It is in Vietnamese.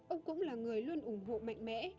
ông cũng là người luôn ủng hộ mạnh mẽ